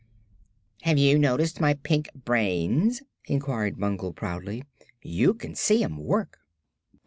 "Have you noticed my pink brains?" inquired Bungle, proudly. "You can see 'em work."